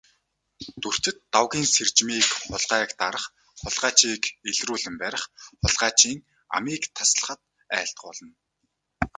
Дүртэд Дагвын сэржмийг хулгайг дарах, хулгайчийг илрүүлэн барих, хулгайчийн амийг таслахад айлтгуулна.